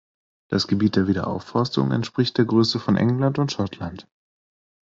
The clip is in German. Das Gebiet der Wiederaufforstung entspricht der Größe von England und Schottland.